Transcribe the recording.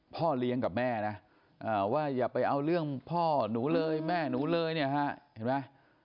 พ่อเลี้ยงกับแม่นะว่าอย่าไปเอาเรื่องพ่อหนูเลยแม่หนูเลยเนี่ยฮะเห็นไหม